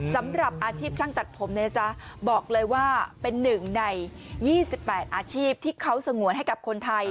สำหรับอาชีพช่างตัดผมเนี่ยจ๊ะบอกเลยว่าเป็นหนึ่งใน๒๘อาชีพที่เขาสงวนให้กับคนไทย